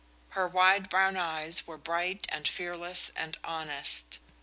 Her wide brown eyes were bright and fearless and honest.